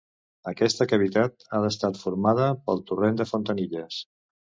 Aquesta cavitat ha estat formada pel Torrent de Fontanilles.